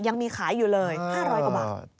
ยังมีขายอยู่เลย๕๐๐กว่าบาท